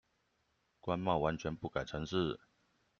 關貿完全不改程式